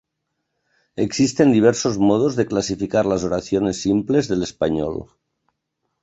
Existen diversos modos de clasificar las oraciones simples del español.